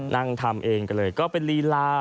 นั่งทำเองกันเลยก็เป็นลีลา